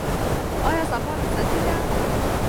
آیا سبا رخصتي ده؟